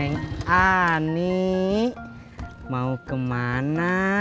neng ani mau kemana